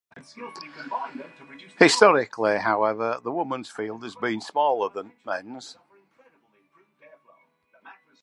Historically, however, the women's field has been smaller than the men's.